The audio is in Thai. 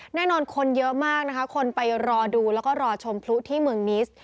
แน่นอนคนเยอะมากนะคะคนไปรอดูแล้วก็รอชมพลุที่เมืองนิส